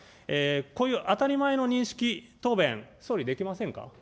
こういう当たり前の認識、答弁、総理、できませんか。